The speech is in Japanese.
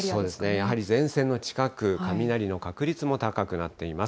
やはり、前線の近く、雷の確率も高くなっています。